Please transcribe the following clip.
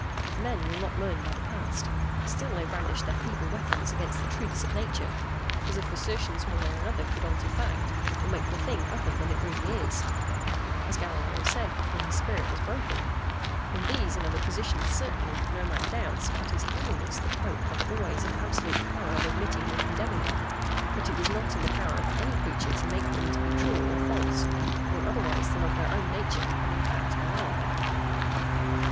Men will not learn by the past; still they brandish their feeble weapons against the truths of Nature, as if assertions one way or another could alter fact, or make the thing other than it really is. As Galileo said before his spirit was broken, "In these and other positions certainly no man doubts but His Holiness the Pope hath always an absolute power of admitting or condemning them; but it is not in the power of any creature to make them to be true or false, or otherwise than of their own nature and in fact they are."